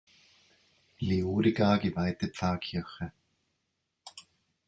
Leodegar geweihte Pfarrkirche.